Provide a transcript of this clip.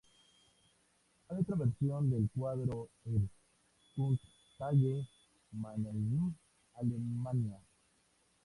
Hay otra versión del cuadro en el Kunsthalle Mannheim, Alemania.